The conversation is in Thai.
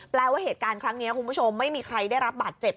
ว่าเหตุการณ์ครั้งนี้คุณผู้ชมไม่มีใครได้รับบาดเจ็บ